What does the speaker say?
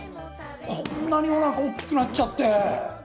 こんなにおなかおっきくなっちゃって！